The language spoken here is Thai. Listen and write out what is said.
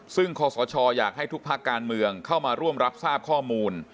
ซึ่งคอสชอยากให้ทุกภาคการเมืองเข้ามาร่วมรับทราบข้อมูล